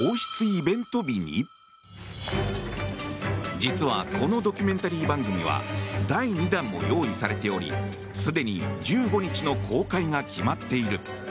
実はこのドキュメンタリー番組は第２弾も用意されておりすでに１５日の公開が決まっている。